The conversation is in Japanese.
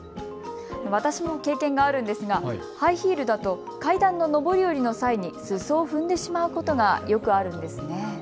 私も経験があるんですが、ハイヒールだと階段の上り下りの際にすそを踏んでしまうことがよくあるんですね。